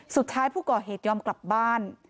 สุดท้ายผู้ก่อเหตุยอมกลับบ้าน